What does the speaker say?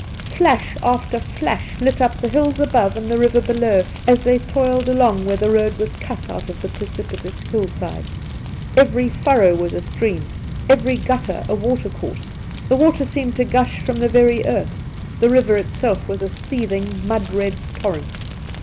Flash after flash lit up the hills above and the river below as they toiled along where the road was cut out of the precipitous hillside. Every furrow was a stream, every gutter a watercourse ; the water seemed to gush from the very earth ; the river itself was a seething mud red torrent.